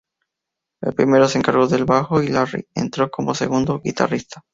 El primero se encargó del bajo y Larry entró como segundo guitarrista.